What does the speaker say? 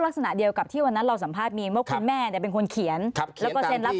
ให้ยอมรับอย่างเดียว